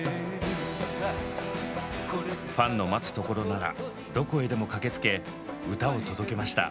ファンの待つところならどこへでも駆けつけ歌を届けました。